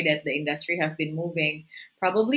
dan cara industri yang bergerak